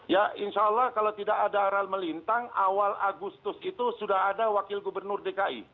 ya insya allah kalau tidak ada aral melintang awal agustus itu sudah ada wakil gubernur dki